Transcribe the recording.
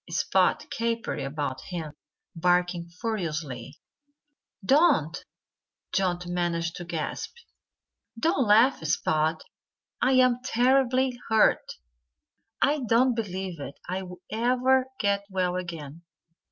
Spot capered about him, barking furiously. "Don't!" Johnnie managed to gasp. "Don't laugh, Spot! I'm terribly hurt. I don't believe I'll ever get well again."